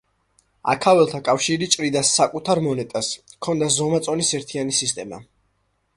აქაველთა კავშირი ჭრიდა საკუთარ მონეტას, ჰქონდა ზომა-წონის ერთიანი სისტემა.